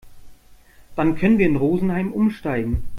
Dann können wir in Rosenheim umsteigen.